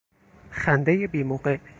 خندهی بیموقع